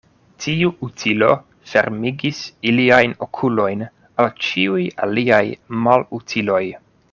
Tiu utilo fermigis iliajn okulojn al ĉiuj aliaj malutiloj.